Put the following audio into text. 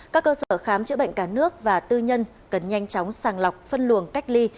các cơ sở khám chữa bệnh cả nước và tư nhân cần nhanh chóng sàng lọc phân luồng cách ly